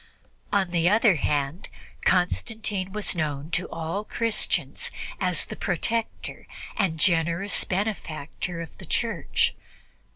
On the other hand, Constantine was known to all Christians as the protector and generous benefactor of the Church.